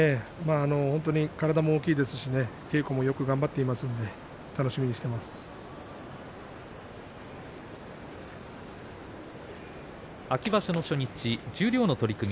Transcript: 体も大きいですし稽古を頑張っていますので秋場所の初日、十両の取組